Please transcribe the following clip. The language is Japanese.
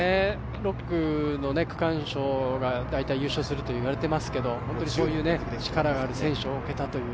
６区の区間賞が大体優勝するといわれていますけど本当にそういう力がある選手を置けたという。